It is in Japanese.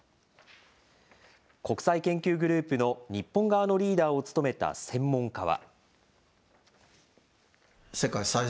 国際研究グループの日本側のリーダーを務めた専門家は。